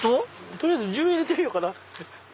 取りあえず十円入れてみようかな。